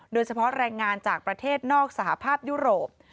โดยเฉพาะแรงงานจากประเทศนอกสหภาพยุโรป